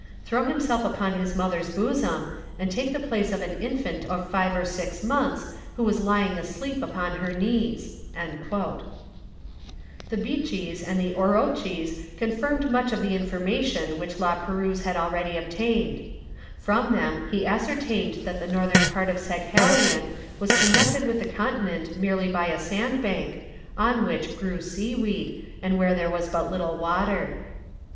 throw himself upon his mother's bosom, and take the place of an infant of five or six months who was lying asleep upon her knees." [Illustration: Typical Orotchys. (Fac simile of early engraving.)] The Bitchys and the Orotchys confirmed much of the information which La Perouse had already obtained. From them he ascertained that the northern point of Saghalien was connected with the continent merely by a sand bank, on which grew seaweed, and where there was but little water.